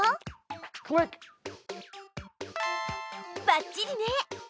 ばっちりね！